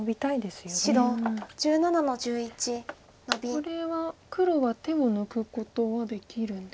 これは黒は手を抜くことはできるんでしょうか。